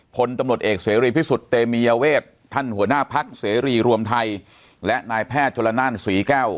พลตำรวจเอกเสรีพิสุทธิ์เตมียเวทท่านหัวหน้าพักเสรีรวมไทยและนายแพทย์ชนละนานศรีแก้ว